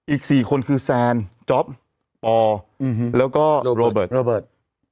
อีก๔คนคือแซนจ๊อบปอล์แล้วก็โรเบิร์ท